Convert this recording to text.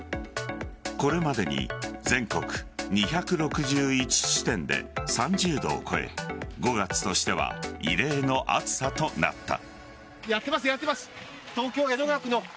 これまでに全国２６１地点で３０度を超え５月としては異例の暑さとなった。